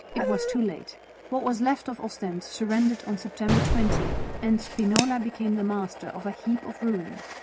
It was too late. What was left of Ostend surrendered on September 20, and Spinola became the master of a heap of ruins.